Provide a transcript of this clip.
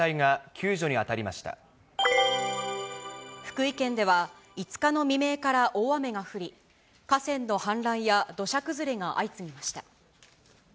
福井県では、５日の未明から大雨が降り、河川の氾濫や土砂崩れが相次ぎました。